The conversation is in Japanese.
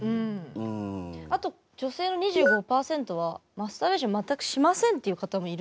あと女性の２５％はマスターベーション全くしませんっていう方もいるという。